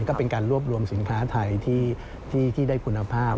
ก็เป็นการรวบรวมสินค้าไทยที่ได้คุณภาพ